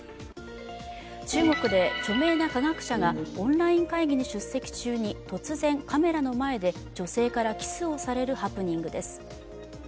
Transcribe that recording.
中国で著名な科学者がオンライン会議に出席中に突然、カメラの前で女性からキスをされるハプニングです。